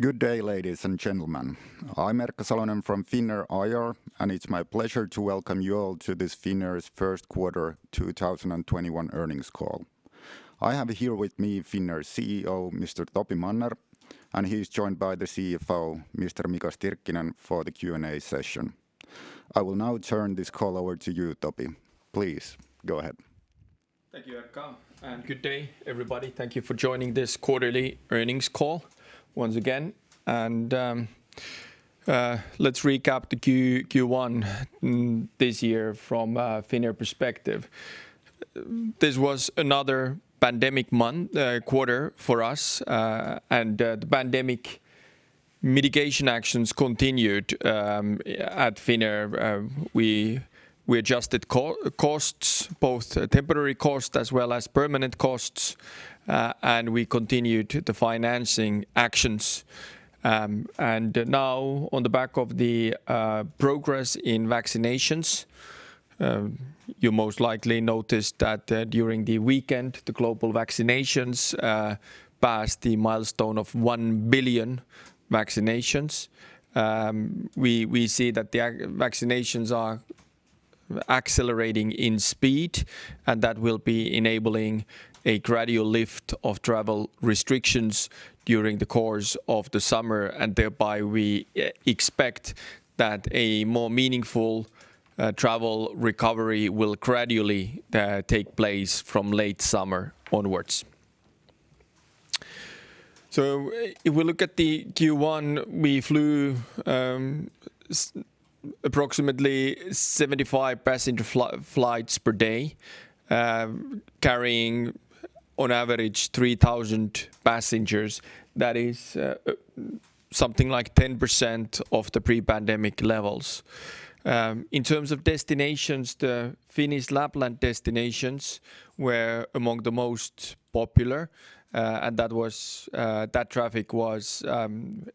Good day, ladies and gentlemen. I'm Erkka Salonen from Finnair IR, and it's my pleasure to welcome you all to this Finnair's First Quarter 2021 Earnings Call. I have here with me Finnair CEO, Mr. Topi Manner, and he's joined by the CFO, Mr. Mika Stirkkinen, for the Q&A session. I will now turn this call over to you, Topi. Please go ahead. Thank you, Erkka. Good day, everybody. Thank you for joining this quarterly earnings call once again. Let's recap the Q1 this year from a Finnair perspective. This was another pandemic quarter for us, and the pandemic mitigation actions continued at Finnair. We adjusted costs, both temporary cost as well as permanent costs, and we continued the financing actions. Now on the back of the progress in vaccinations, you most likely noticed that during the weekend, the global vaccinations passed the milestone of 1 billion vaccinations. We see that the vaccinations are accelerating in speed, and that will be enabling a gradual lift of travel restrictions during the course of the summer, and thereby we expect that a more meaningful travel recovery will gradually take place from late summer onwards. If we look at the Q1, we flew approximately 75 passenger flights per day, carrying on average 3,000 passengers. That is something like 10% of the pre-pandemic levels. In terms of destinations, the Finnish Lapland destinations were among the most popular, and that traffic was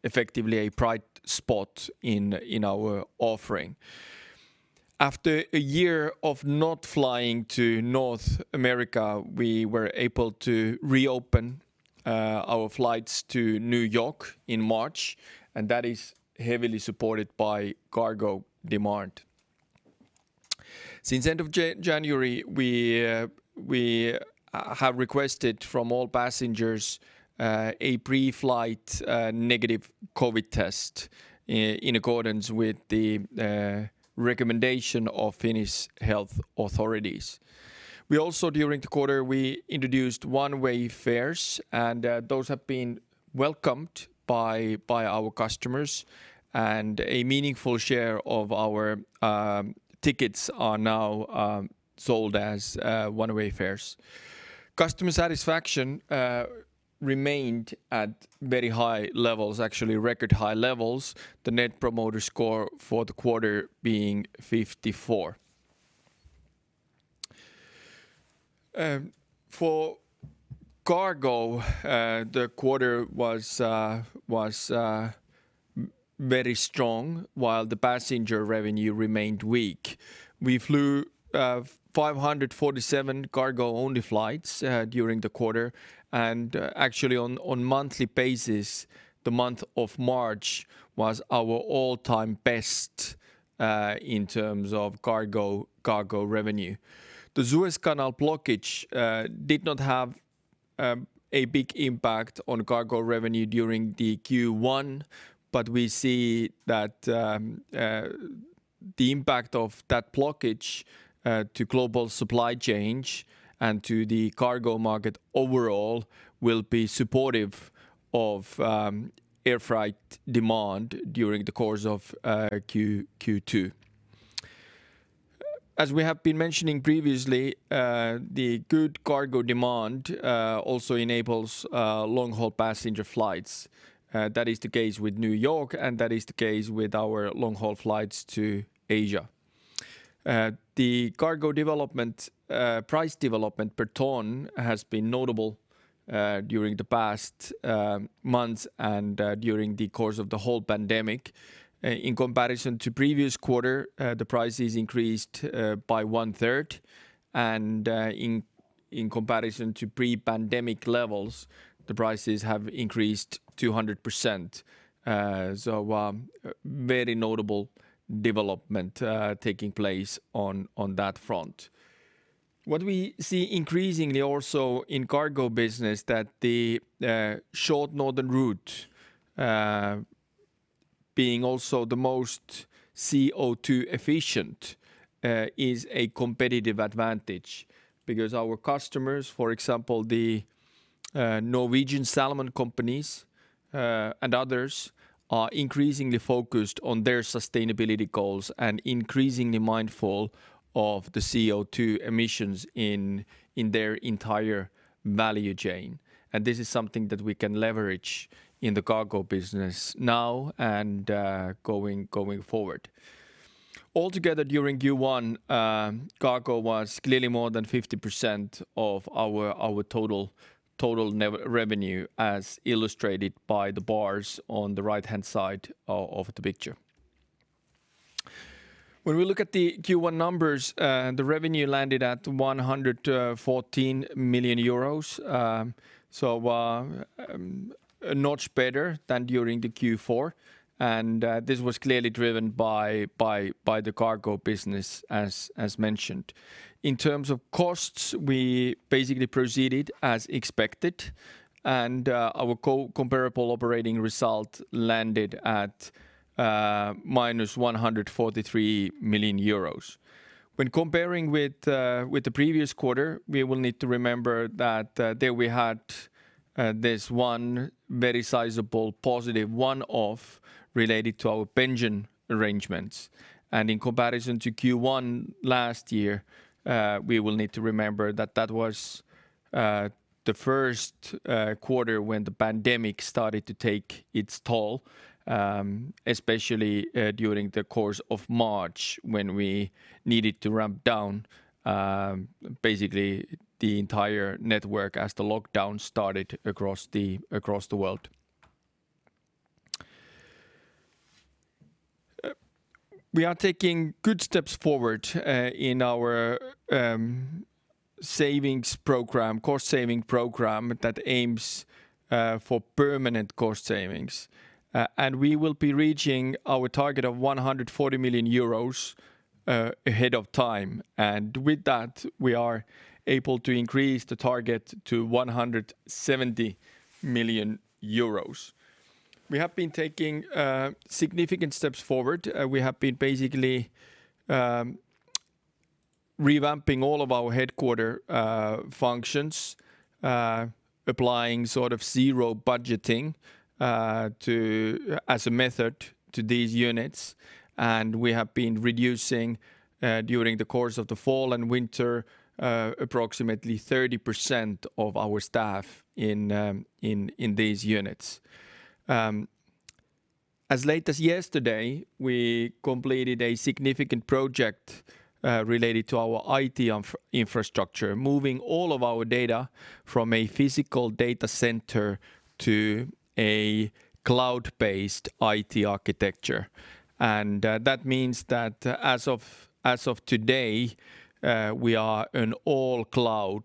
effectively a bright spot in our offering. After a year of not flying to North America, we were able to reopen our flights to New York in March, and that is heavily supported by cargo demand. Since end of January, we have requested from all passengers, a pre-flight negative COVID test in accordance with the recommendation of Finnish health authorities. Also during the quarter, we introduced one-way fares, and those have been welcomed by our customers, and a meaningful share of our tickets are now sold as one-way fares. Customer satisfaction remained at very high levels, actually record high levels, the Net Promoter Score for the quarter being 54. For cargo, the quarter was very strong while the passenger revenue remained weak. We flew 547 cargo only flights during the quarter. Actually on monthly basis, the month of March was our all-time best in terms of cargo revenue. The Suez Canal blockage did not have a big impact on cargo revenue during the Q1, but we see that the impact of that blockage to global supply chain and to the cargo market overall will be supportive of air freight demand during the course of Q2. As we have been mentioning previously, the good cargo demand also enables long-haul passenger flights. That is the case with New York, and that is the case with our long-haul flights to Asia. The cargo price development per ton has been notable during the past months and during the course of the whole pandemic. In comparison to previous quarter, the prices increased by one-third, and in comparison to pre-pandemic levels, the prices have increased 200%. Very notable development taking place on that front. What we see increasingly also in cargo business, that the short northern route being also the most CO2 efficient, is a competitive advantage because our customers, for example, the Norwegian salmon companies, and others, are increasingly focused on their sustainability goals and increasingly mindful of the CO2 emissions in their entire value chain. This is something that we can leverage in the cargo business now and going forward. Altogether, during Q1, cargo was clearly more than 50% of our total revenue, as illustrated by the bars on the right-hand side of the picture. When we look at the Q1 numbers, the revenue landed at 114 million euros, a notch better than during the Q4. This was clearly driven by the cargo business as mentioned. In terms of costs, we basically proceeded as expected, and our comparable operating result landed at minus 143 million euros. When comparing with the previous quarter, we will need to remember that there we had this one very sizable positive one-off related to our pension arrangements. In comparison to Q1 last year, we will need to remember that that was the first quarter when the pandemic started to take its toll, especially during the course of March when we needed to ramp down basically the entire network as the lockdown started across the world. We are taking good steps forward in our cost-saving program that aims for permanent cost savings. We will be reaching our target of 140 million euros ahead of time. With that, we are able to increase the target to 170 million euros. We have been taking significant steps forward. We have been basically revamping all of our headquarter functions, applying sort of zero-based budgeting as a method to these units. We have been reducing, during the course of the fall and winter, approximately 30% of our staff in these units. As late as yesterday, we completed a significant project related to our IT infrastructure, moving all of our data from a physical data center to a cloud-based IT architecture. That means that as of today, we are an all-cloud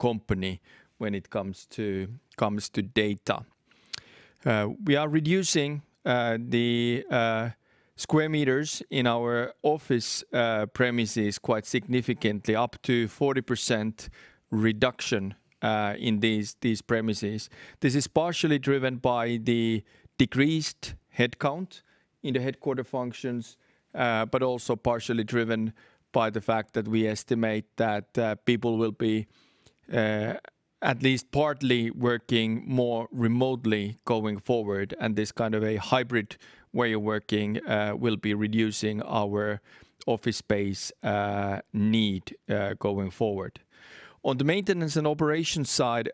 company when it comes to data. We are reducing the square meters in our office premises quite significantly, up to 40% reduction in these premises. This is partially driven by the decreased headcount in the headquarter functions, but also partially driven by the fact that we estimate that people will be at least partly working more remotely going forward. This kind of a hybrid way of working will be reducing our office space need going forward. On the maintenance and operations side,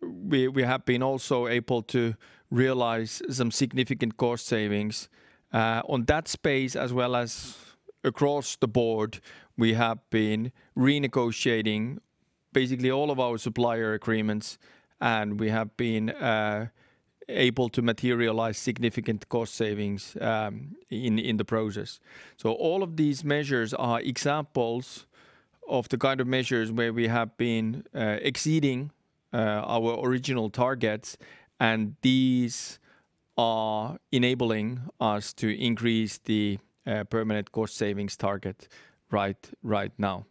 we have been also able to realize some significant cost savings. On that space as well as across the board, we have been renegotiating basically all of our supplier agreements, and we have been able to materialize significant cost savings in the process. All of these measures are examples of the kind of measures where we have been exceeding our original targets, and these are enabling us to increase the permanent cost savings target right now.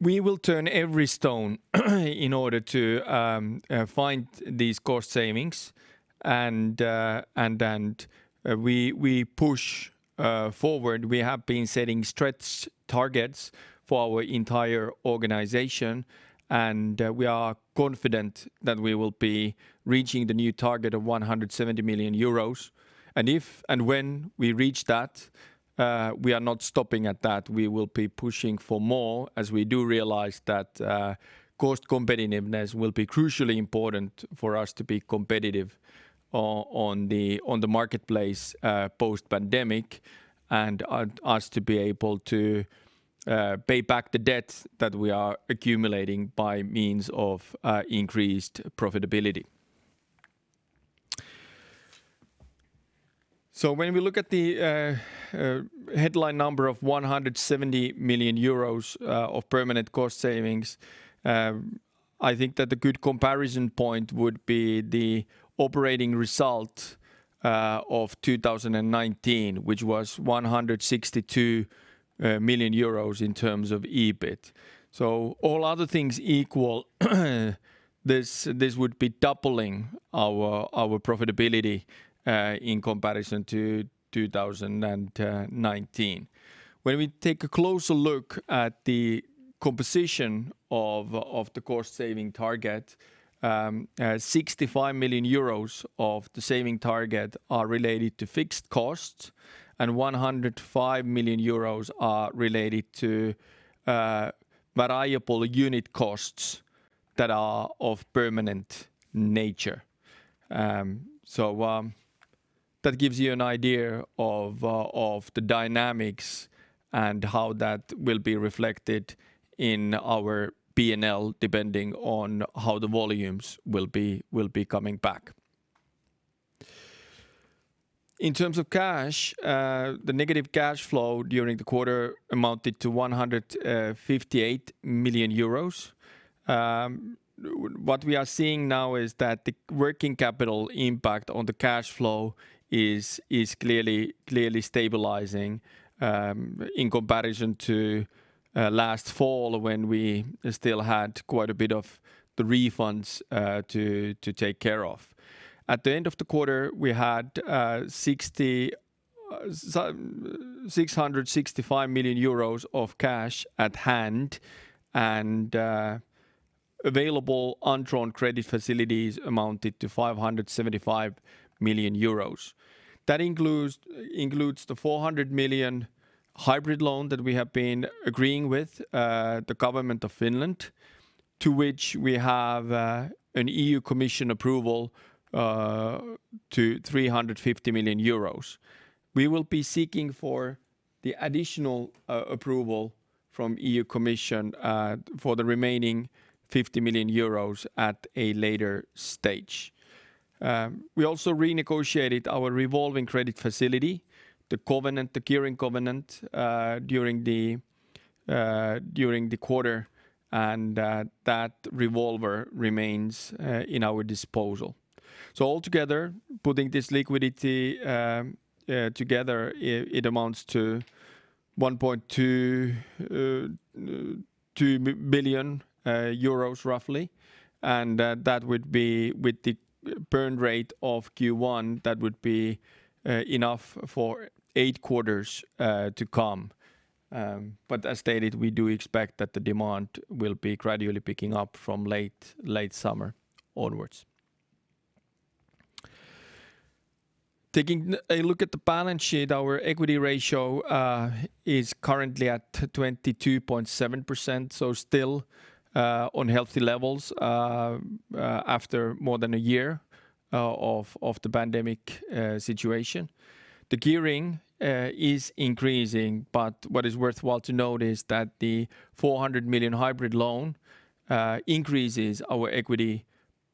We will turn every stone in order to find these cost savings, and then we push forward. We have been setting stretch targets for our entire organization, and we are confident that we will be reaching the new target of 170 million euros. When we reach that, we are not stopping at that. We will be pushing for more as we do realize that cost competitiveness will be crucially important for us to be competitive on the marketplace post-pandemic and us to be able to pay back the debt that we are accumulating by means of increased profitability. When we look at the headline number of 170 million euros of permanent cost savings, I think that a good comparison point would be the operating result of 2019, which was 162 million euros in terms of EBIT. All other things equal, this would be doubling our profitability in comparison to 2019. When we take a closer look at the composition of the cost-saving target, 65 million euros of the saving target are related to fixed costs and 105 million euros are related to variable unit costs that are of permanent nature. That gives you an idea of the dynamics and how that will be reflected in our P&L, depending on how the volumes will be coming back. In terms of cash, the negative cash flow during the quarter amounted to 158 million euros. What we are seeing now is that the working capital impact on the cash flow is clearly stabilizing in comparison to last fall, when we still had quite a bit of the refunds to take care of. At the end of the quarter, we had 665 million euros of cash at hand and available undrawn credit facilities amounted to 575 million euros. That includes the 400 million hybrid loan that we have been agreeing with the Government of Finland, to which we have an European Commission approval to 350 million euros. We will be seeking for the additional approval from European Commission for the remaining 50 million euros at a later stage. We also renegotiated our revolving credit facility, the gearing covenant during the quarter, and that revolver remains in our disposal. Altogether, putting this liquidity together, it amounts to 1.2 billion euros roughly, and with the burn rate of Q1, that would be enough for eight quarters to come. As stated, we do expect that the demand will be gradually picking up from late summer onwards. Taking a look at the balance sheet, our equity ratio is currently at 22.7%, so still on healthy levels after more than a year of the pandemic situation. The gearing is increasing, but what is worthwhile to note is that the 400 million hybrid loan increases our equity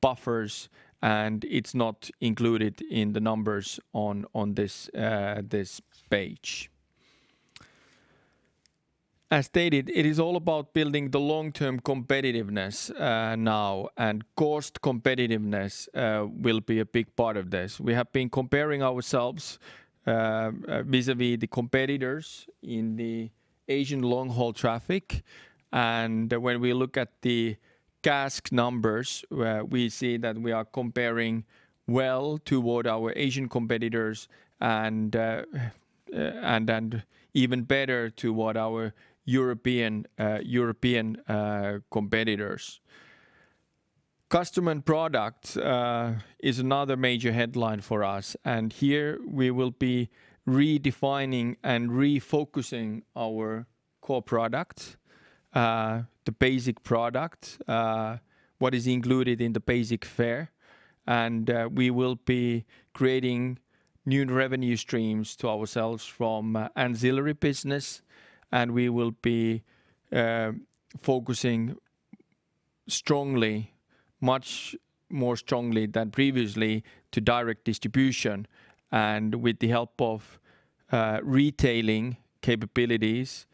buffers, and it's not included in the numbers on this page. As stated, it is all about building the long-term competitiveness now, and cost competitiveness will be a big part of this. We have been comparing ourselves vis-a-vis the competitors in the Asian long-haul traffic, and when we look at the CASK numbers, we see that we are comparing well toward our Asian competitors and even better toward our European competitors. Customer and Product is another major headline for us, and here we will be redefining and refocusing our core product, the basic product, what is included in the basic fare. We will be creating new revenue streams to ourselves from ancillary business, and we will be focusing much more strongly than previously to direct distribution. With the help of retailing capabilities,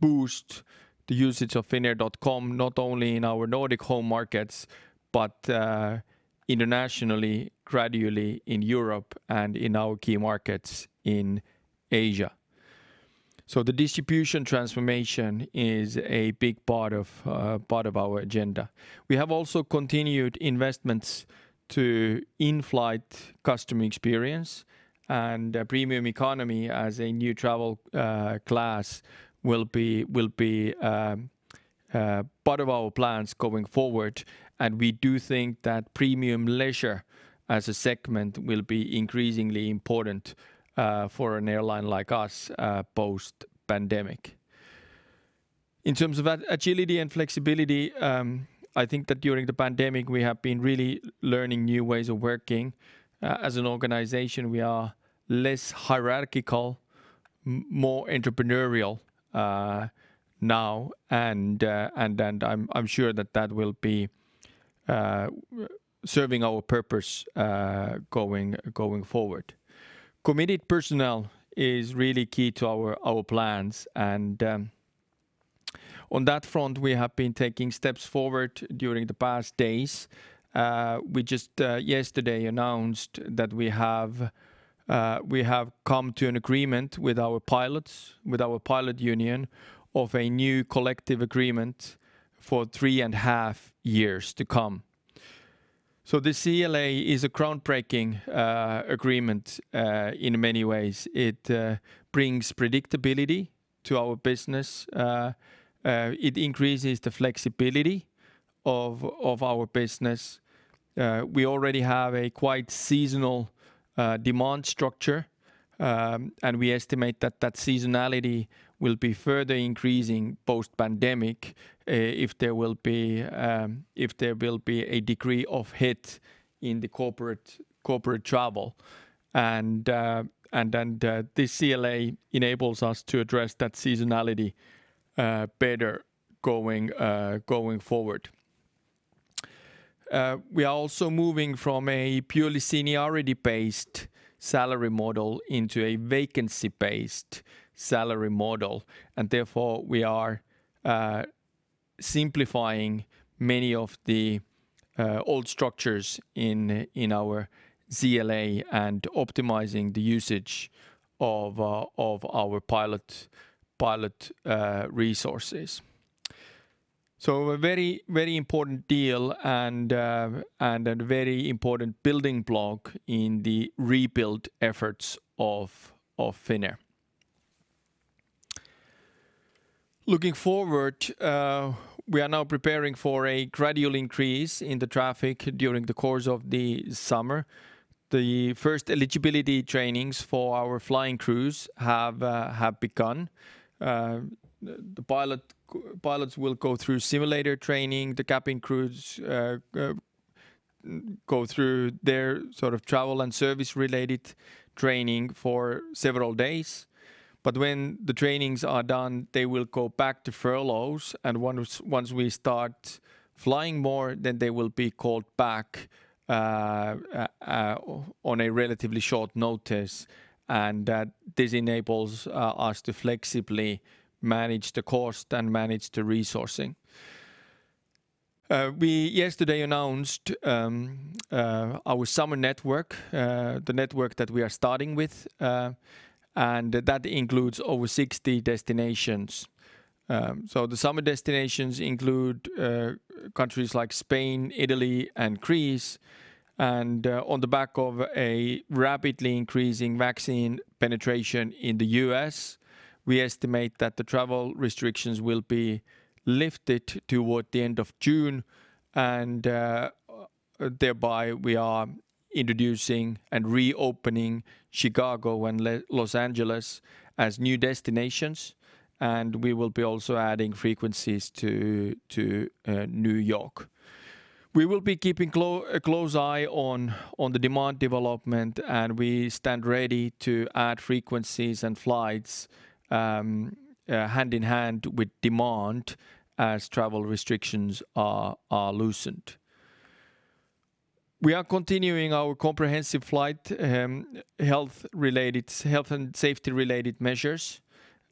boost the usage of finnair.com, not only in our Nordic home markets, but internationally, gradually in Europe and in our key markets in Asia. The distribution transformation is a big part of our agenda. We have also continued investments to in-flight customer experience and Premium Economy as a new travel class will be part of our plans going forward, and we do think that premium leisure as a segment will be increasingly important for an airline like us post-pandemic. In terms of agility and flexibility, I think that during the pandemic, we have been really learning new ways of working. As an organization, we are less hierarchical, more entrepreneurial now, and I'm sure that that will be serving our purpose going forward. Committed personnel is really key to our plans, and on that front, we have been taking steps forward during the past days. We just yesterday announced that we have come to an agreement with our pilots, with our pilot union, of a new collective agreement for three and a half years to come. This CLA is a groundbreaking agreement in many ways. It brings predictability to our business. It increases the flexibility of our business. We already have a quite seasonal demand structure. We estimate that that seasonality will be further increasing post-pandemic if there will be a degree of hit in the corporate travel. This CLA enables us to address that seasonality better going forward. We are also moving from a purely seniority-based salary model into a vacancy-based salary model. Therefore, we are simplifying many of the old structures in our CLA and optimizing the usage of our pilot resources. A very important deal and a very important building block in the rebuild efforts of Finnair. Looking forward, we are now preparing for a gradual increase in the traffic during the course of the summer. The first eligibility trainings for our flying crews have begun. The pilots will go through simulator training, the cabin crews go through their travel and service-related training for several days. When the trainings are done, they will go back to furloughs and once we start flying more, then they will be called back on a relatively short notice. This enables us to flexibly manage the cost and manage the resourcing. We yesterday announced our summer network, the network that we are starting with, and that includes over 60 destinations. The summer destinations include countries like Spain, Italy, and Greece. On the back of a rapidly increasing vaccine penetration in the U.S., we estimate that the travel restrictions will be lifted toward the end of June and thereby we are introducing and reopening Chicago and Los Angeles as new destinations, and we will be also adding frequencies to New York. We will be keeping a close eye on the demand development, and we stand ready to add frequencies and flights hand-in-hand with demand as travel restrictions are loosened. We are continuing our comprehensive flight health and safety-related measures.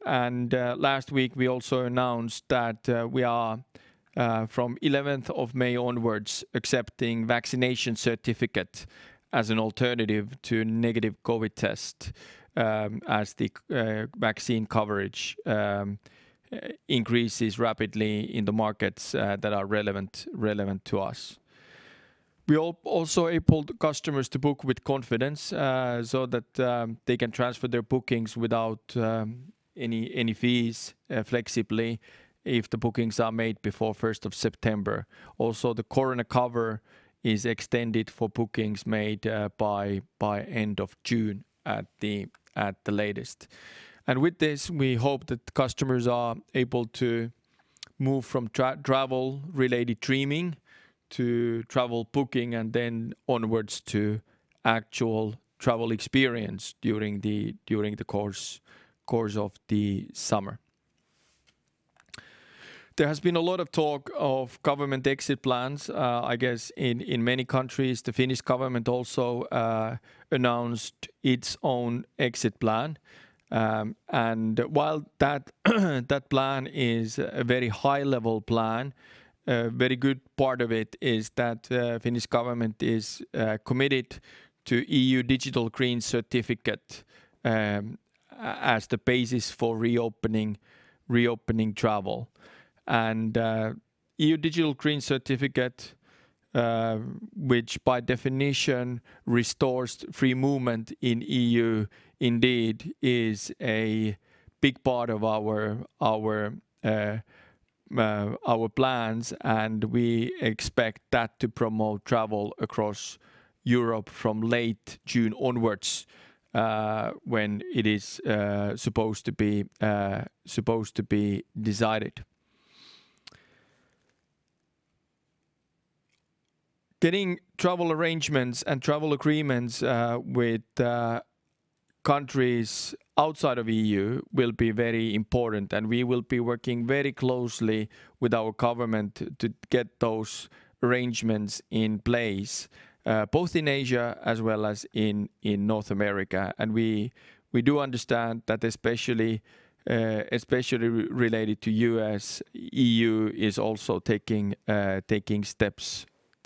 Last week we also announced that we are from May 11th onwards accepting vaccination certificate as an alternative to negative COVID test as the vaccine coverage increases rapidly in the markets that are relevant to us. We enabled customers to book with confidence so that they can transfer their bookings without any fees flexibly if the bookings are made before September 1st. The Corona Cover is extended for bookings made by end of June at the latest. With this, we hope that customers are able to move from travel-related dreaming to travel booking and then onwards to actual travel experience during the course of the summer. There has been a lot of talk of government exit plans, I guess in many countries. The Finnish government also announced its own exit plan. While that plan is a very high-level plan, a very good part of it is that Finnish government is committed to EU Digital Green Certificate as the basis for reopening travel. EU Digital Green Certificate, which by definition restores free movement in EU, indeed is a big part of our plans and we expect that to promote travel across Europe from late June onwards, when it is supposed to be decided. Getting travel arrangements and travel agreements with countries outside of EU will be very important, and we will be working very closely with our government to get those arrangements in place both in Asia as well as in North America. We do understand that especially related to U.S., EU is also taking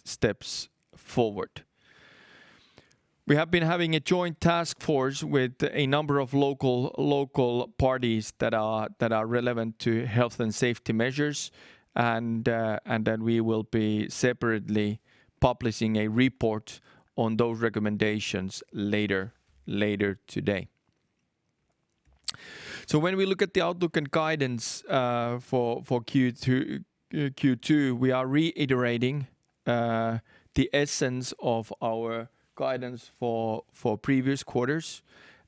steps forward. We have been having a joint task force with a number of local parties that are relevant to health and safety measures, and then we will be separately publishing a report on those recommendations later today. When we look at the outlook and guidance for Q2, we are reiterating the essence of our guidance for previous quarters.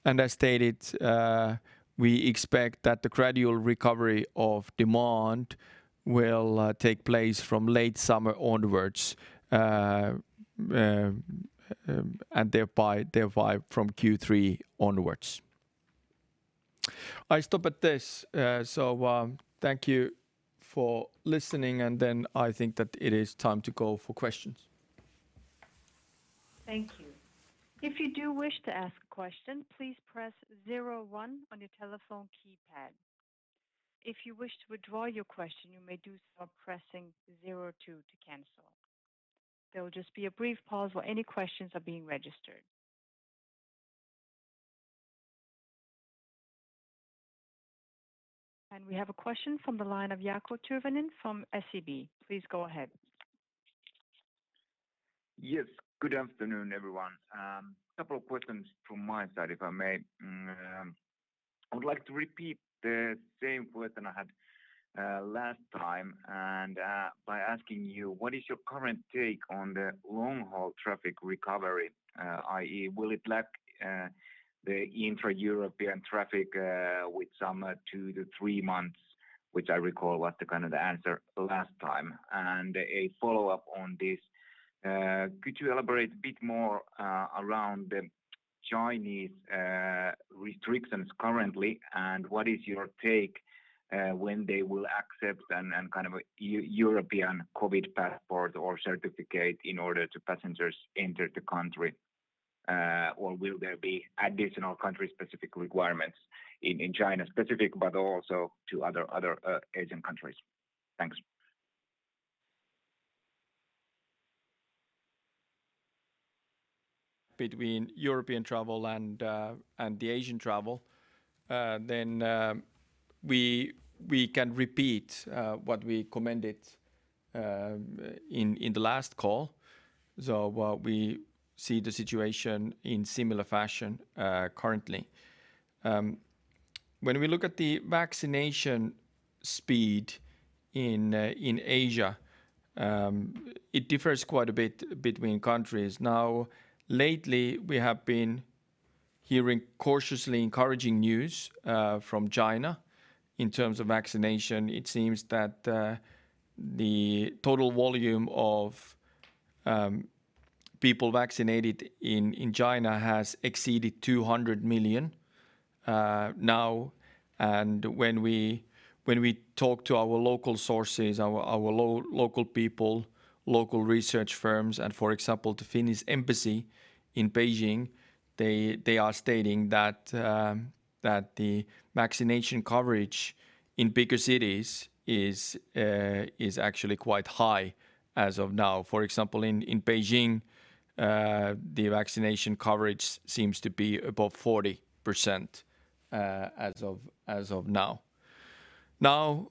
As stated, we expect that the gradual recovery of demand will take place from late summer onwards and thereby from Q3 onwards. I stop at this. Thank you for listening. I think that it is time to go for questions. Thank you. We have a question from the line of Jaakko Tyrväinen from SEB. Please go ahead. Yes. Good afternoon, everyone. Couple of questions from my side, if I may. I would like to repeat the same question I had last time and by asking you, what is your current take on the long-haul traffic recovery? i.e., will it lack the intra-European traffic with some two to three months, which I recall was the kind of the answer last time? A follow-up on this, could you elaborate a bit more around the Chinese restrictions currently, and what is your take when they will accept an European COVID passport or certificate in order to passengers enter the country? Will there be additional country-specific requirements in China specific, but also to other Asian countries? Thanks. Between European travel and the Asian travel, we can repeat what we commented in the last call. We see the situation in similar fashion currently. When we look at the vaccination speed in Asia, it differs quite a bit between countries. Lately, we have been hearing cautiously encouraging news from China in terms of vaccination. It seems that the total volume of people vaccinated in China has exceeded 200 million now. When we talk to our local sources, our local people, local research firms, and for example, the Finnish Embassy in Beijing, they are stating that the vaccination coverage in bigger cities is actually quite high as of now. For example, in Beijing, the vaccination coverage seems to be above 40% as of now.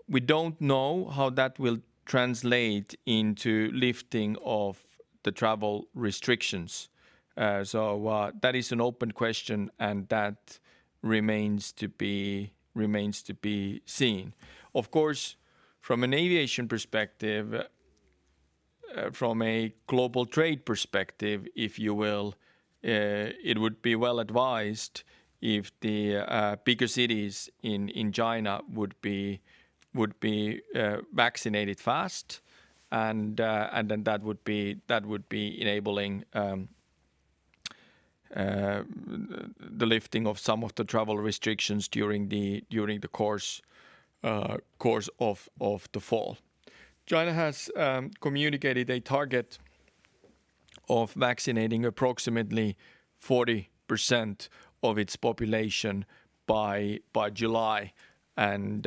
We don't know how that will translate into lifting of the travel restrictions. That is an open question, and that remains to be seen. Of course, from an aviation perspective, from a global trade perspective, if you will, it would be well advised if the bigger cities in China would be vaccinated fast, and then that would be enabling the lifting of some of the travel restrictions during the course of the fall. China has communicated a target of vaccinating approximately 40% of its population by July, and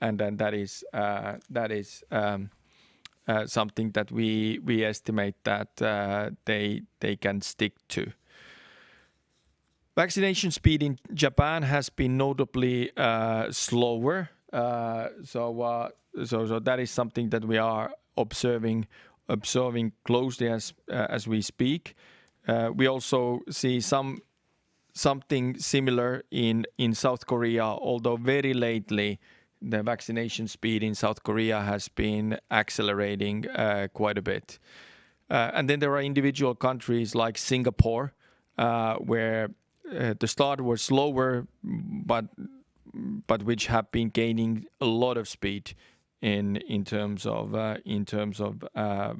then that is something that we estimate that they can stick to. Vaccination speed in Japan has been notably slower. That is something that we are observing closely as we speak. We also see something similar in South Korea, although very lately, the vaccination speed in South Korea has been accelerating quite a bit. Then there are individual countries like Singapore, where the start was slower, but which have been gaining a lot of speed in terms of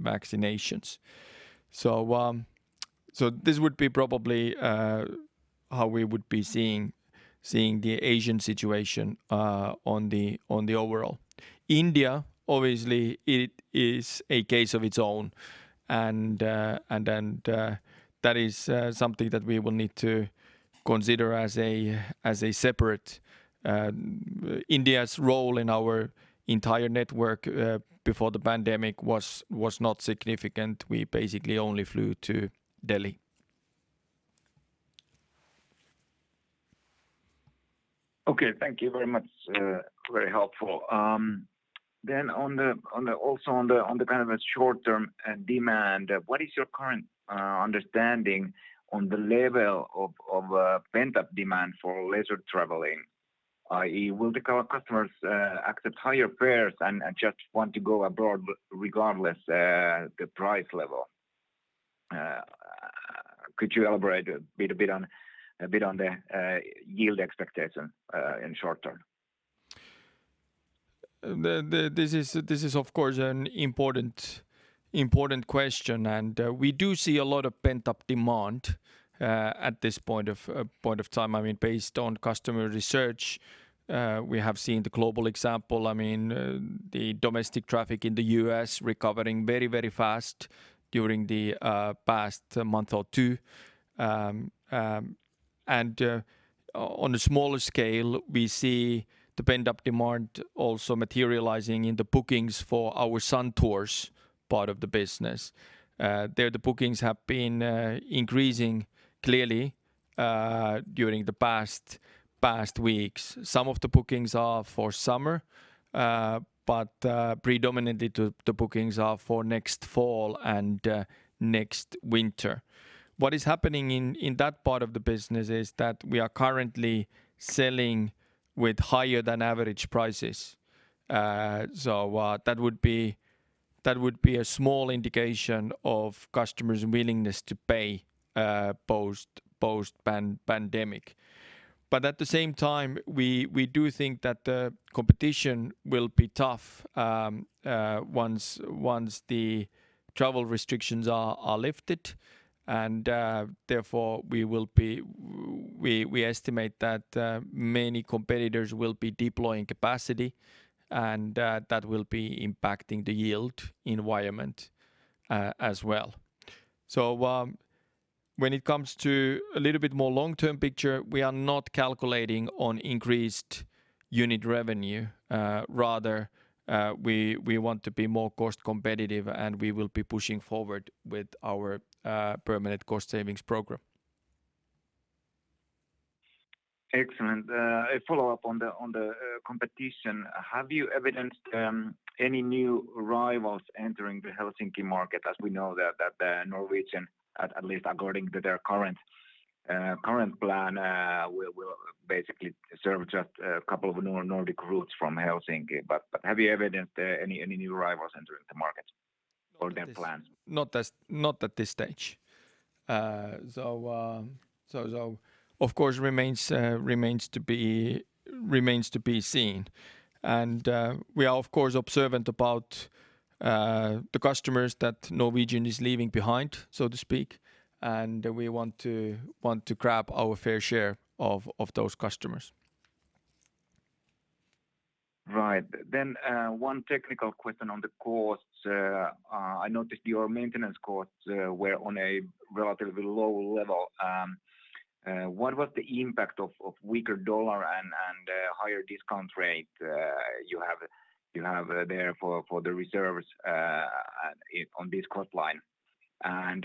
vaccinations. This would be probably how we would be seeing the Asian situation on the overall. India, obviously, it is a case of its own, that is something that we will need to consider as a separate. India's role in our entire network before the pandemic was not significant. We basically only flew to Delhi. Okay. Thank you very much. Very helpful. Also on the kind of a short-term demand, what is your current understanding on the level of pent-up demand for leisure traveling, i.e., will the customers accept higher fares and just want to go abroad regardless the price level? Could you elaborate a bit on the yield expectation in short-term? This is, of course, an important question, and we do see a lot of pent-up demand at this point of time based on customer research. We have seen the global example, the domestic traffic in the U.S. recovering very fast during the past month or two. On a smaller scale, we see the pent-up demand also materializing in the bookings for our Suntours part of the business. There, the bookings have been increasing clearly during the past weeks. Some of the bookings are for summer, but predominantly, the bookings are for next fall and next winter. What is happening in that part of the business is that we are currently selling with higher than average prices. That would be a small indication of customers' willingness to pay post-pandemic. At the same time, we do think that the competition will be tough once the travel restrictions are lifted and therefore we estimate that many competitors will be deploying capacity and that will be impacting the yield environment as well. When it comes to a little bit more long-term picture, we are not calculating on increased unit revenue. Rather, we want to be more cost competitive and we will be pushing forward with our permanent cost savings program. Excellent. A follow-up on the competition. Have you evidenced any new arrivals entering the Helsinki market? We know that Norwegian, at least according to their current plan, will basically serve just a couple of Nordic routes from Helsinki. Have you evidenced any new arrivals entering the market or their plans? Not at this stage. Of course, remains to be seen. We are, of course, observant about the customers that Norwegian is leaving behind, so to speak, and we want to grab our fair share of those customers. Right. One technical question on the costs. I noticed your maintenance costs were on a relatively low level. What was the impact of weaker dollar and higher discount rate you have there for the reserves on this cost line?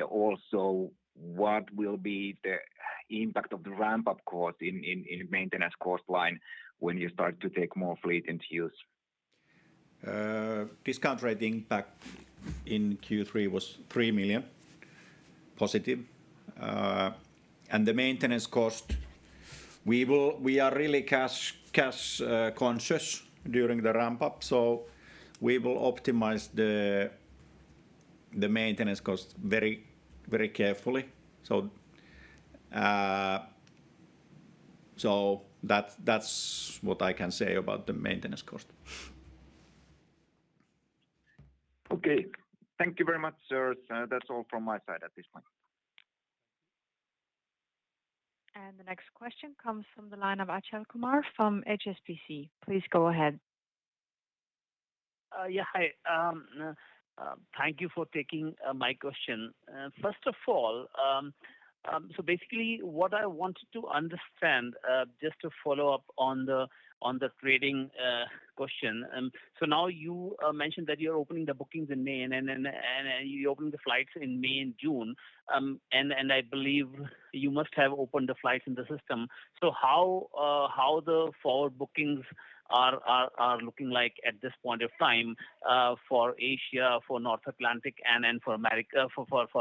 Also, what will be the impact of the ramp-up cost in maintenance cost line when you start to take more fleet into use? Discount rate impact in Q3 was 3 million+. The maintenance cost, we are really cash conscious during the ramp-up, so we will optimize the maintenance cost very carefully. That's what I can say about the maintenance cost. Okay. Thank you very much, sirs. That's all from my side at this point. The next question comes from the line of Achal Kumar from HSBC. Please go ahead. Yeah. Hi. Thank you for taking my question. First of all, basically what I wanted to understand, just to follow up on the trading question. Now you mentioned that you're opening the bookings in May and you open the flights in May and June. I believe you must have opened the flights in the system. How the forward bookings are looking like at this point of time for Asia, for North Atlantic, and then for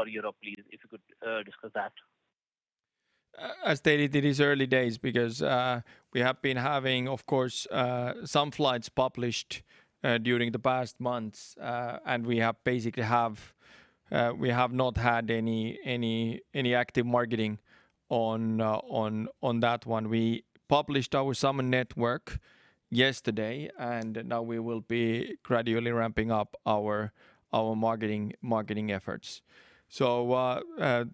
Europe, please? If you could discuss that. As stated, it is early days because we have been having, of course, some flights published during the past months. We have not had any active marketing on that one. We published our summer network yesterday, and now we will be gradually ramping up our marketing efforts. The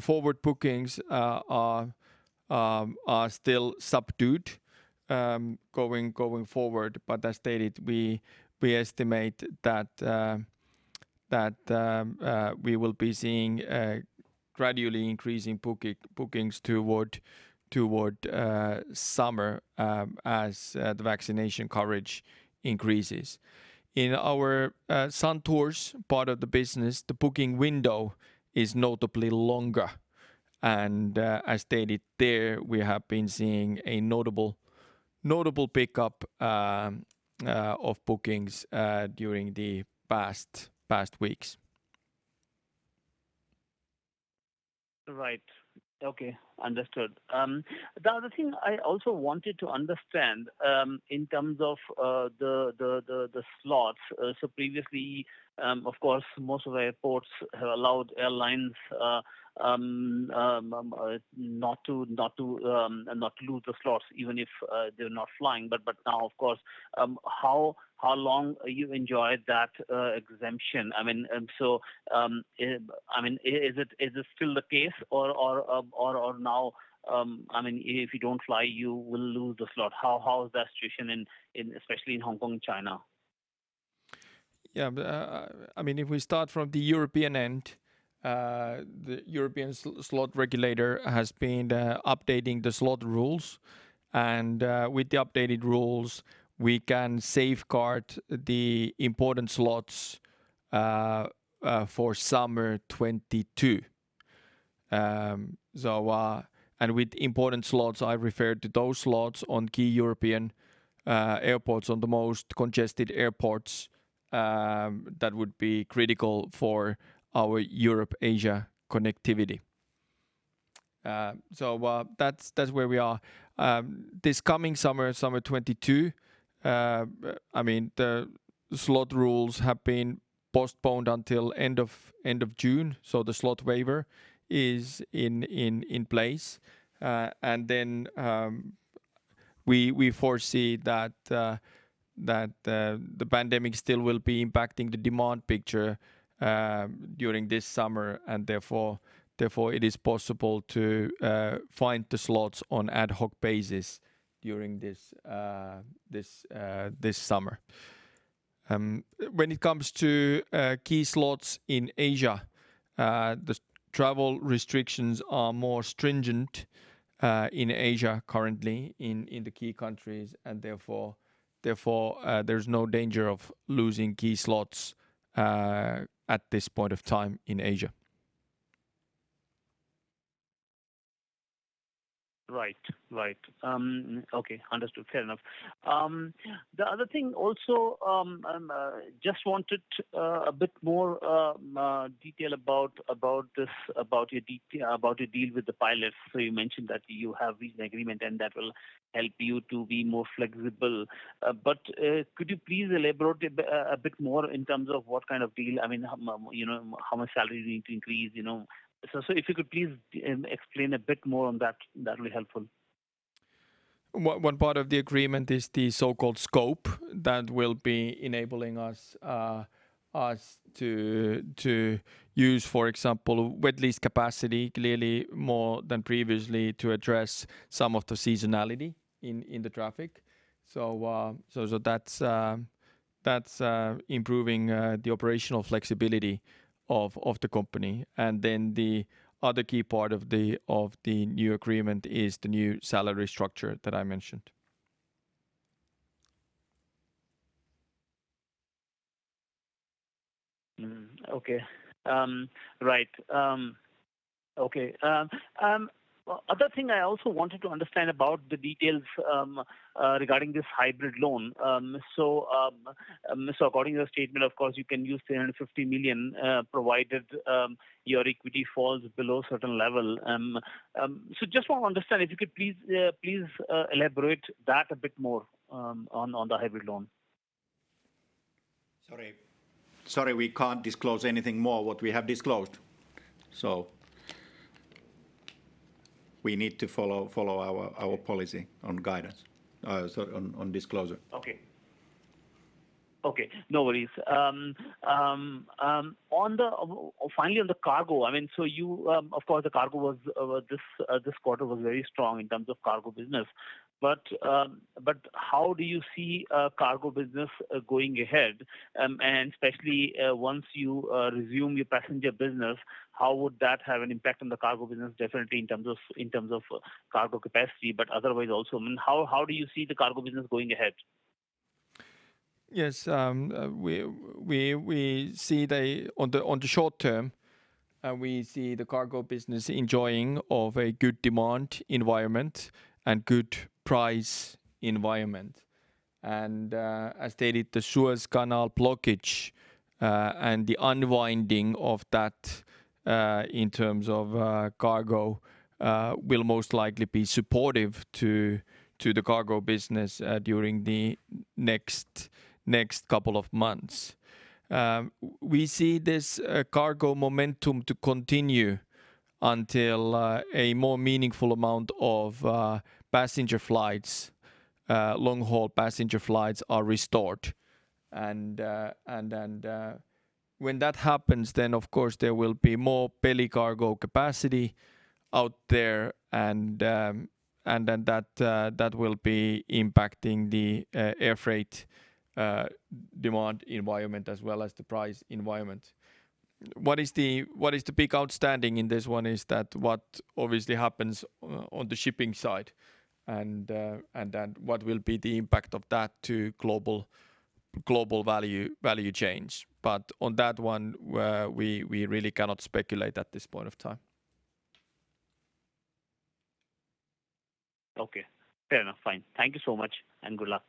forward bookings are still subdued going forward. As stated, we estimate that we will be seeing gradually increasing bookings toward summer as the vaccination coverage increases. In our Suntours part of the business, the booking window is notably longer. As stated there, we have been seeing a notable pickup of bookings during the past weeks. Right. Okay. Understood. The other thing I also wanted to understand in terms of the slots. Previously, of course, most of the airports have allowed airlines not to lose the slots even if they're not flying. Now, of course, how long you enjoyed that exemption? Is it still the case or now if you don't fly, you will lose the slot? How is that situation, especially in Hong Kong and China? If we start from the European end, the European slot regulator has been updating the slot rules. With the updated rules, we can safeguard the important slots for summer 2022. With important slots, I referred to those slots on key European airports, on the most congested airports that would be critical for our Europe-Asia connectivity. That's where we are. This coming summer 2022, the slot rules have been postponed until end of June, so the slot waiver is in place. Then we foresee that the pandemic still will be impacting the demand picture during this summer, and therefore it is possible to find the slots on ad hoc basis during this summer. When it comes to key slots in Asia, the travel restrictions are more stringent in Asia currently in the key countries and therefore there's no danger of losing key slots at this point of time in Asia. Right. Okay. Understood. Fair enough. The other thing also, just wanted a bit more detail about your deal with the pilots. You mentioned that you have reached an agreement and that will help you to be more flexible. Could you please elaborate a bit more in terms of what kind of deal, how much salary you need to increase? If you could please explain a bit more on that would be helpful. One part of the agreement is the so-called scope that will be enabling us to use, for example, wet lease capacity clearly more than previously to address some of the seasonality in the traffic. That's improving the operational flexibility of the company. The other key part of the new agreement is the new salary structure that I mentioned. Okay. Right. Other thing I also wanted to understand about the details regarding this hybrid loan. According to your statement, of course, you can use the 350 million provided your equity falls below a certain level. Just want to understand if you could please elaborate that a bit more on the hybrid loan. Sorry, we can't disclose anything more what we have disclosed. We need to follow our policy on guidance, sorry, on disclosure. Okay. No worries. Finally on the cargo. Of course, this quarter was very strong in terms of cargo business. How do you see cargo business going ahead? Especially once you resume your passenger business, how would that have an impact on the cargo business, definitely in terms of cargo capacity, but otherwise also? How do you see the cargo business going ahead? Yes. On the short term, we see the cargo business enjoying of a good demand environment and good price environment. As stated, the Suez Canal blockage and the unwinding of that in terms of cargo will most likely be supportive to the cargo business during the next couple of months. We see this cargo momentum to continue until a more meaningful amount of long-haul passenger flights are restored. When that happens, of course, there will be more belly cargo capacity out there and that will be impacting the air freight demand environment as well as the price environment. What is the big outstanding in this one is that what obviously happens on the shipping side and what will be the impact of that to global value chains. On that one, we really cannot speculate at this point of time. Okay. Fair enough. Fine. Thank you so much, and good luck.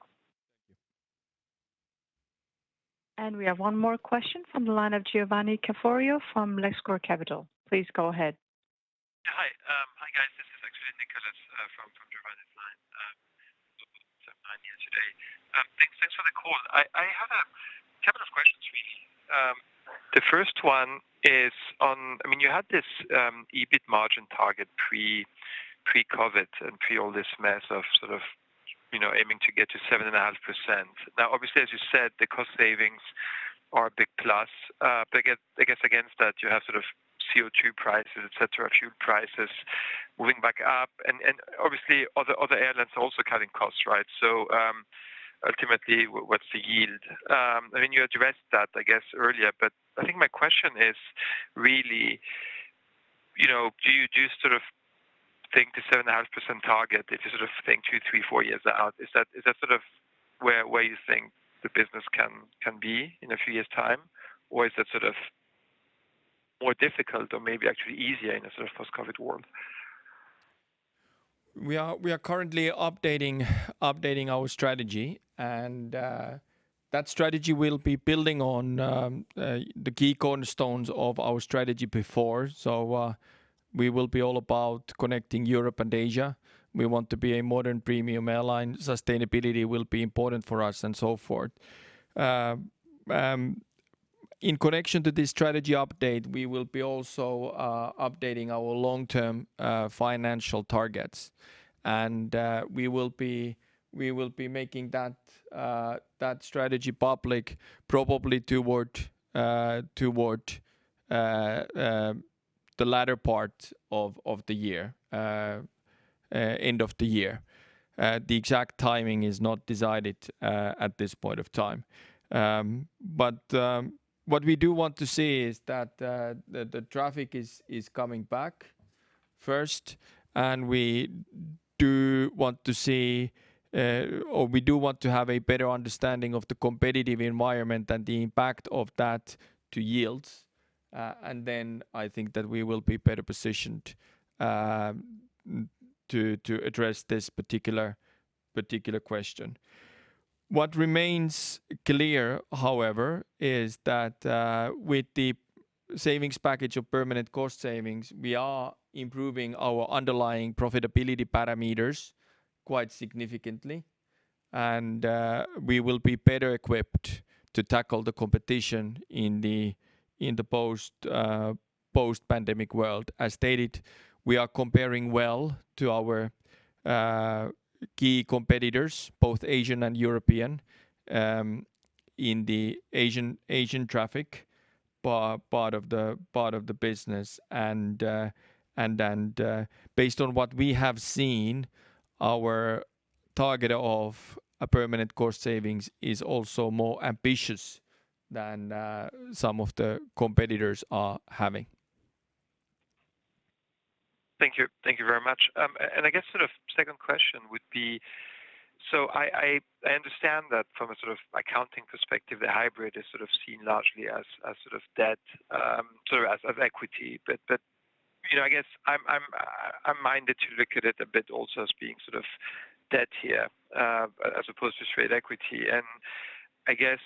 We have one more question from the line of Giovanni Caforio from Lexcor Capital. Please go ahead. Yeah. Hi, guys. This is actually Nicolas from Giovanni's line. I'm here today. Thanks for the call. I have a couple of questions really. The first one is on, you had this EBIT margin target pre-COVID and pre all this mess of sort of aiming to get to 7.5%. Now obviously, as you said, the cost savings are a big plus. I guess against that you have sort of CO2 prices, et cetera, fuel prices moving back up and obviously other airlines also cutting costs, right? Ultimately what's the yield? You addressed that, I guess, earlier, but I think my question is really, do you think the 7.5% target is a thing two, three, four years out? Is that where you think the business can be in a few years' time, or is that more difficult or maybe actually easier in a sort of post-COVID world? We are currently updating our strategy, and that strategy will be building on the key cornerstones of our strategy before. We will be all about connecting Europe and Asia. We want to be a modern premium airline. Sustainability will be important for us and so forth. In connection to this strategy update, we will be also updating our long-term financial targets. We will be making that strategy public probably toward the latter part of the year, end of the year. The exact timing is not decided at this point of time. What we do want to see is that the traffic is coming back first and we do want to have a better understanding of the competitive environment and the impact of that to yields. I think that we will be better positioned to address this particular question. What remains clear, however, is that with the savings package of permanent cost savings, we are improving our underlying profitability parameters quite significantly, and we will be better equipped to tackle the competition in the post-pandemic world. As stated, we are comparing well to our key competitors, both Asian and European, in the Asian traffic part of the business. Based on what we have seen, our target of a permanent cost savings is also more ambitious than some of the competitors are having. Thank you. Thank you very much. I guess sort of second question would be, I understand that from a sort of accounting perspective, the hybrid is sort of seen largely as a sort of debt, sort of as equity. I guess I'm minded to look at it a bit also as being sort of debt here, as opposed to straight equity. I guess,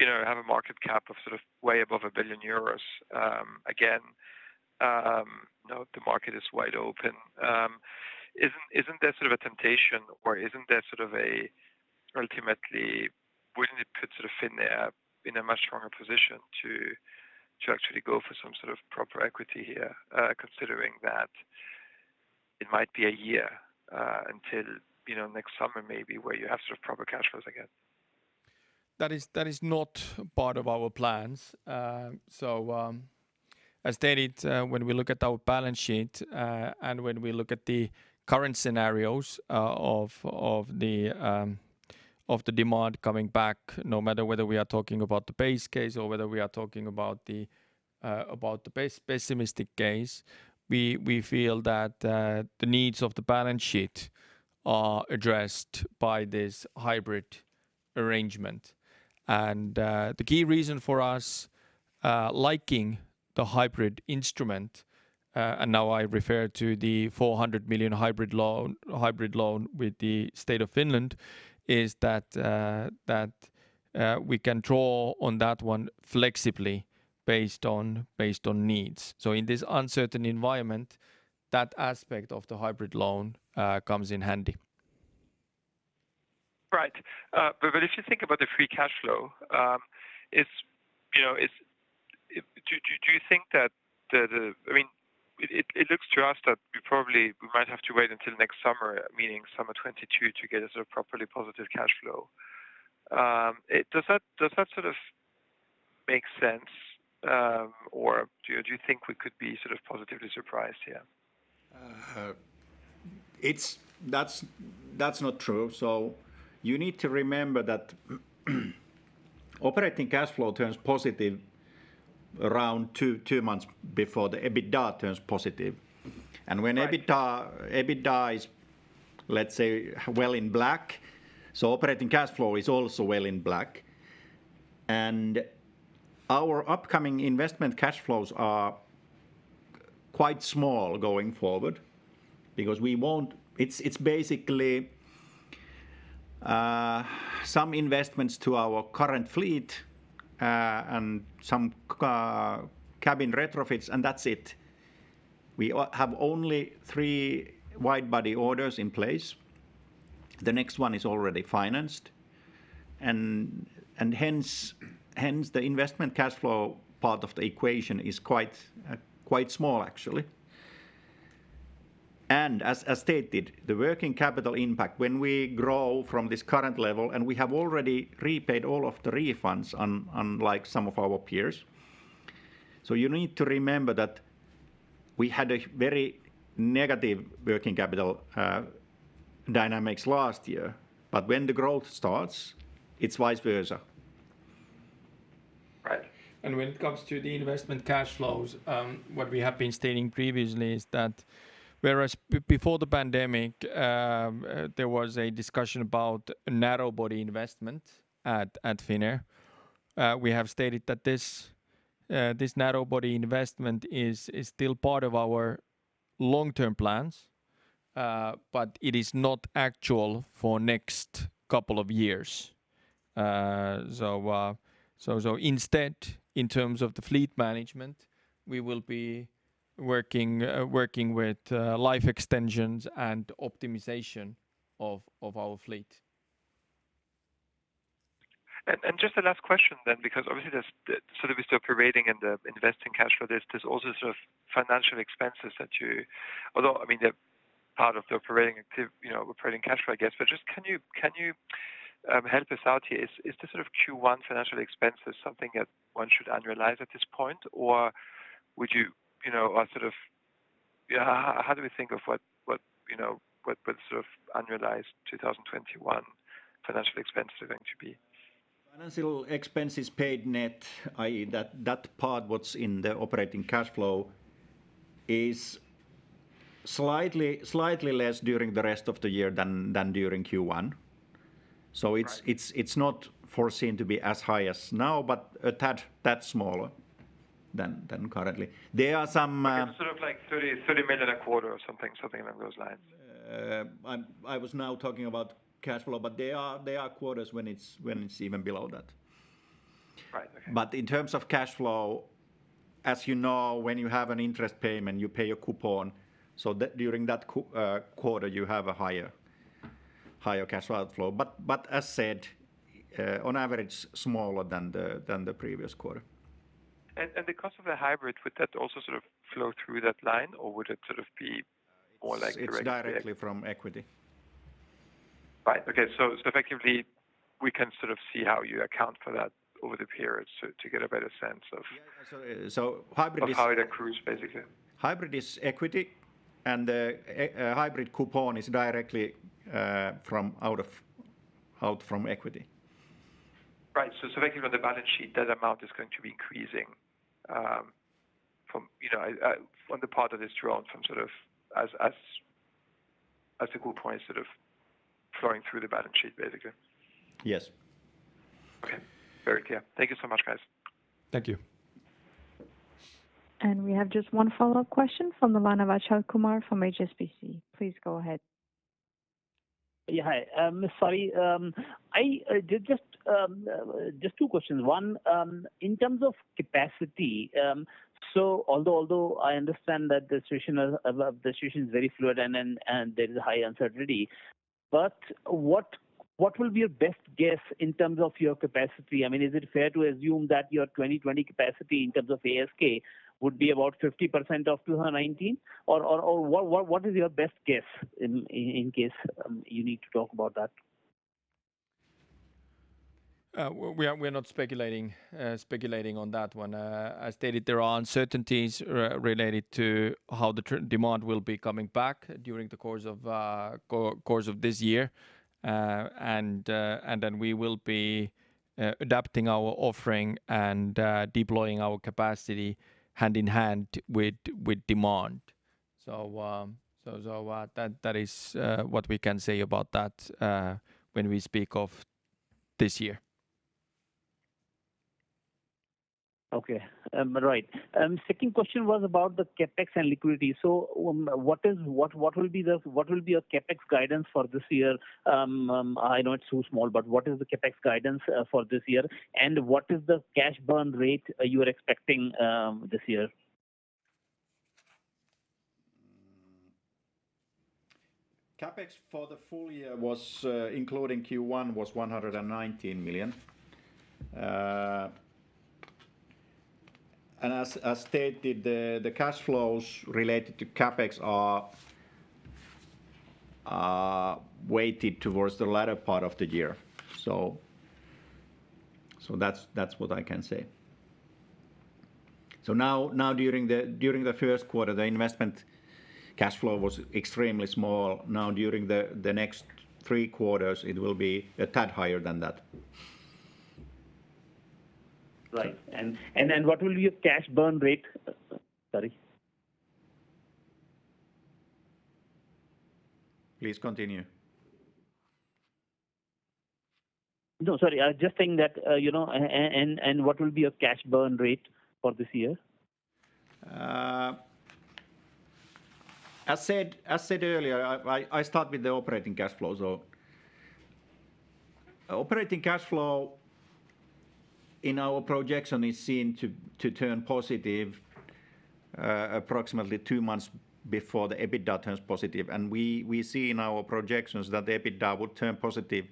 have a market cap of sort of way above 1 billion euros. Again, the market is wide open. Isn't that sort of a temptation or isn't that sort of a ultimately, wouldn't it put sort of Finnair in a much stronger position to actually go for some sort of proper equity here? Considering that it might be one year, until next summer maybe where you have sort of proper cash flows again. That is not part of our plans. As stated, when we look at our balance sheet, and when we look at the current scenarios of the demand coming back, no matter whether we are talking about the base case or whether we are talking about the pessimistic case, we feel that the needs of the balance sheet are addressed by this hybrid arrangement. The key reason for us liking the hybrid instrument, and now I refer to the 400 million hybrid loan with the state of Finland, is that we can draw on that one flexibly based on needs. In this uncertain environment, that aspect of the hybrid loan comes in handy. Right. If you think about the free cash flow, It looks to us that we probably might have to wait until next summer, meaning summer 2022, to get a sort of properly positive cash flow. Does that sort of make sense, or do you think we could be sort of positively surprised here? That's not true. You need to remember that operating cash flow turns positive around two months before the EBITDA turns positive. When EBITDA is, let's say, well in black, so operating cash flow is also well in black. Our upcoming investment cash flows are quite small going forward because it's basically some investments to our current fleet and some cabin retrofits and that's it. We have only three wide-body orders in place. The next one is already financed and hence the investment cash flow part of the equation is quite small actually. As stated, the working capital impact when we grow from this current level, and we have already repaid all of the refunds unlike some of our peers. You need to remember that we had very negative working capital dynamics last year, but when the growth starts, it's vice versa. Right. When it comes to the investment cash flows, what we have been stating previously is that whereas before the pandemic, there was a discussion about narrow-body investment at Finnair. We have stated that this narrow-body investment is still part of our long-term plans, but it is not actual for next couple of years. Instead, in terms of the fleet management, we will be working with life extensions and optimization of our fleet. Just a last question then, because obviously there's the service operating and the investing cash flow. There's also sort of financial expenses that, although they're part of the operating cash flow, I guess, just can you help us out here? Is the sort of Q1 financial expenses something that one should annualize at this point, or how do we think of what sort of annualized 2021 financial expenses are going to be? Financial expenses paid net, i.e., that part what's in the operating cash flow is slightly less during the rest of the year than during Q1. Right. It's not foreseen to be as high as now, but a tad smaller than currently. It's sort of like 30 million a quarter or something along those lines. I was now talking about cash flow, but there are quarters when it's even below that. Right. Okay. In terms of cash flow, as you know, when you have an interest payment, you pay a coupon so that during that quarter you have a higher cash flow. As said, on average, smaller than the previous quarter. The cost of a hybrid, would that also sort of flow through that line? It's directly from equity. Right. Okay. Effectively we can sort of see how you account for that over the periods. Yeah. hybrid is- Of how it accrues, basically. hybrid is equity and the hybrid coupon is directly out from equity. Right. Effectively on the balance sheet that amount is going to be increasing on the part of this drawn from sort of as a coupon sort of flowing through the balance sheet, basically? Yes. Okay. Very clear. Thank you so much, guys. Thank you. We have just one follow-up question from Achal Kumar from HSBC. Please go ahead. Yeah. Hi. Sorry. Just two questions. One, in terms of capacity, although I understand that the situation is very fluid and there is a high uncertainty, what will be your best guess in terms of your capacity? Is it fair to assume that your 2020 capacity in terms of ASK would be about 50% of 2019? What is your best guess in case you need to talk about that? We're not speculating on that one. I stated there are uncertainties related to how the demand will be coming back during the course of this year. We will be adapting our offering and deploying our capacity hand-in-hand with demand. That is what we can say about that when we speak of this year. Okay. Right. Second question was about the CapEx and liquidity. What will be your CapEx guidance for this year? I know it's so small, but what is the CapEx guidance for this year, and what is the cash burn rate you are expecting this year? CapEx for the full year including Q1 was 119 million. As stated, the cash flows related to CapEx are weighted towards the latter part of the year. That's what I can say. Now during the first quarter, the investment cash flow was extremely small. Now during the next three quarters it will be a tad higher than that. Right. What will be your cash burn rate? Sorry. Please continue. No, sorry. Just saying that. What will be your cash burn rate for this year? As said earlier, I start with the operating cash flow. Operating cash flow in our projection is seen to turn positive approximately two months before the EBITDA turns positive. We see in our projections that the EBITDA would turn positive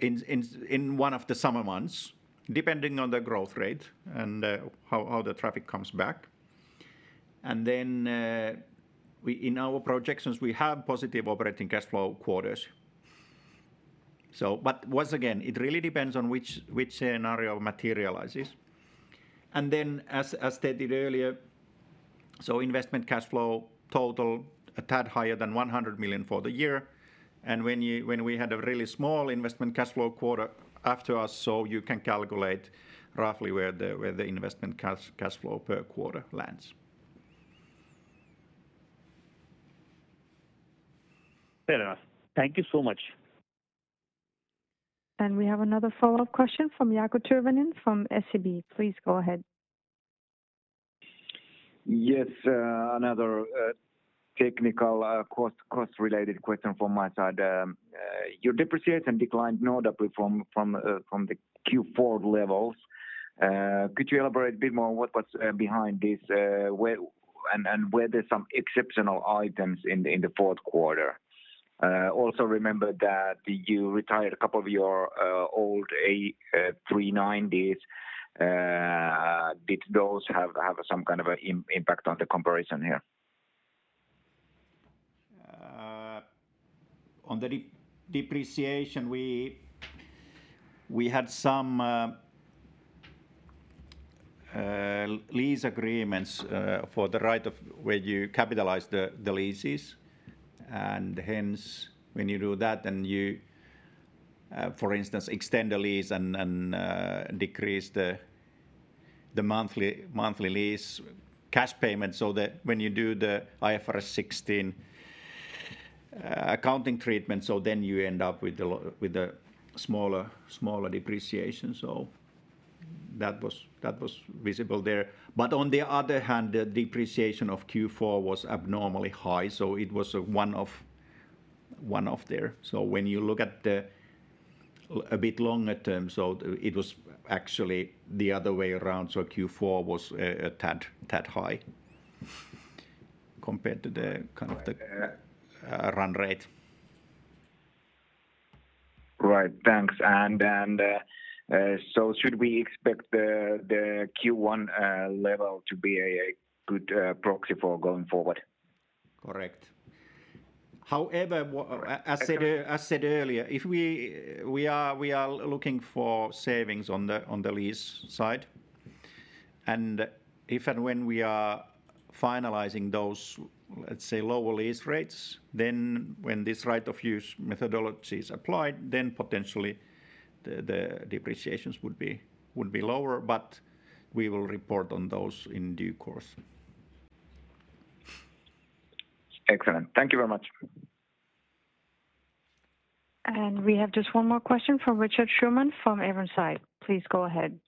in one of the summer months, depending on the growth rate and how the traffic comes back. In our projections, we have positive operating cash flow quarters. Once again, it really depends on which scenario materializes. As stated earlier, investment cash flow total a tad higher than 100 million for the year. When we had a really small investment cash flow quarter, so you can calculate roughly where the investment cash flow per quarter lands. Fair enough. Thank you so much. We have another follow-up question from Jaakko Tyrväinen from SEB. Please go ahead. Yes. Another technical cost-related question from my side. Your depreciation declined notably from the Q4 levels. Could you elaborate a bit more on what's behind this, and were there some exceptional items in the fourth quarter? Also remember that you retired a couple of your old A319s. Did those have some kind of impact on the comparison here? On the depreciation, we had some lease agreements for the right of where you capitalize the leases. Hence when you do that, then you, for instance, extend the lease and decrease the monthly lease cash payment so that when you do the IFRS 16 accounting treatment, then you end up with a smaller depreciation. That was visible there. On the other hand, the depreciation of Q4 was abnormally high, so it was a one-off there. When you look at a bit longer term, so it was actually the other way around. Q4 was a tad high compared to the kind of the run rate. Right. Thanks. Should we expect the Q1 level to be a good proxy for going forward? Correct. However, as said earlier, we are looking for savings on the lease side, and if and when we are finalizing those, let's say lower lease rates, then when this right-of-use methodology is applied, then potentially the depreciations would be lower, but we will report on those in due course. Excellent. Thank you very much. We have just one more question from Richard Schuurman from AirInsight. Please go ahead.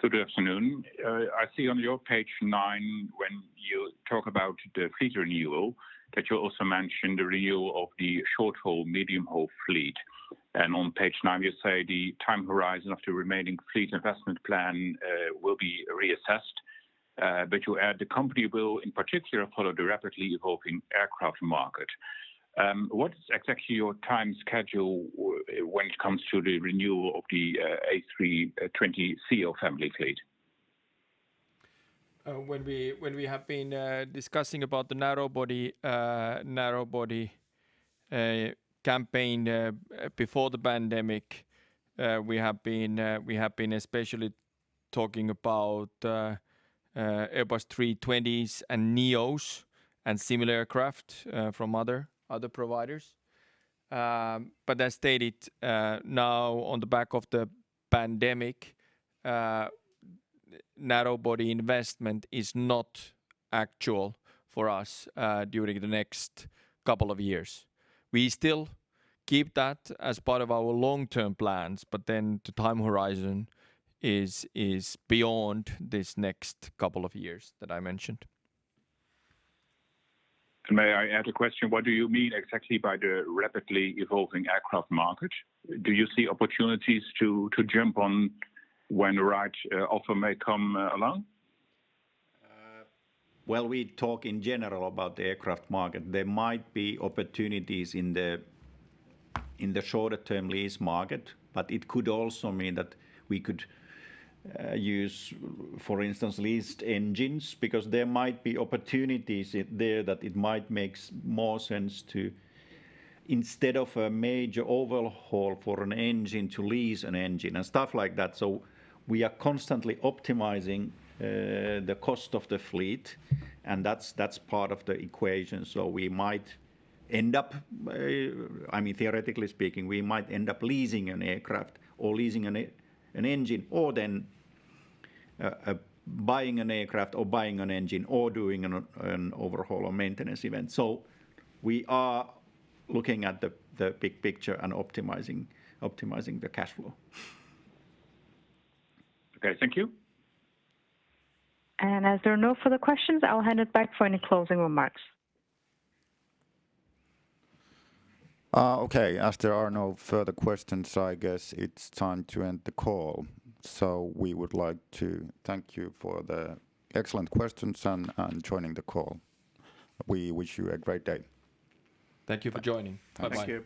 Good afternoon. I see on your page nine when you talk about the fleet renewal that you also mention the renewal of the short-haul, medium-haul fleet. On page nine, you say the time horizon of the remaining fleet investment plan will be reassessed, but you add the company will in particular follow the rapidly evolving aircraft market. What's exactly your time schedule when it comes to the renewal of the A320ceo family fleet? When we have been discussing about the narrow-body campaign before the pandemic, we have been especially talking about Airbus A320s and NEOs and similar aircraft from other providers. As stated, now on the back of the pandemic, narrow-body investment is not actual for us during the next couple of years. We still keep that as part of our long-term plans, the time horizon is beyond this next couple of years that I mentioned. May I add a question? What do you mean exactly by the rapidly evolving aircraft market? Do you see opportunities to jump on when the right offer may come along? Well, we talk in general about the aircraft market. There might be opportunities in the shorter-term lease market, but it could also mean that we could use, for instance, leased engines because there might be opportunities there that it might make more sense to instead of a major overhaul for an engine to lease an engine and stuff like that. We are constantly optimizing the cost of the fleet, and that's part of the equation. We might end up, theoretically speaking, we might end up leasing an aircraft or leasing an engine or then buying an aircraft or buying an engine or doing an overhaul or maintenance event. We are looking at the big picture and optimizing the cash flow. Okay. Thank you. As there are no further questions, I'll hand it back for any closing remarks. Okay. As there are no further questions, I guess it's time to end the call. We would like to thank you for the excellent questions and joining the call. We wish you a great day. Thank you for joining. Bye-bye. Thank you.